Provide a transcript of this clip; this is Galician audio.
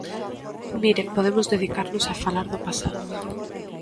Mire, podemos dedicarnos a falar do pasado.